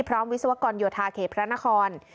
วิศวกรโยธาเขตพระนคร